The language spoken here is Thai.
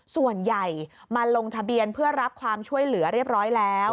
ส่วนใหญ่มาลงทะเบียนเพื่อรับความช่วยเหลือเรียบร้อยแล้ว